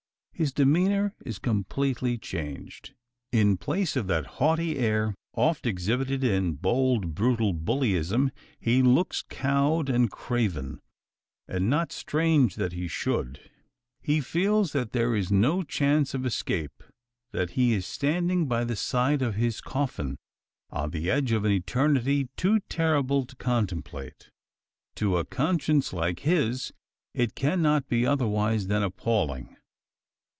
His demeanour is completely changed. In place of that high haughty air oft exhibited in bold brutal bullyism he looks cowed and craven. And not strange that he should. He feels that there is no chance of escape; that he is standing by the side of his coffin on the edge of an Eternity too terrible to contemplate. To a conscience like his, it cannot be otherwise than appalling.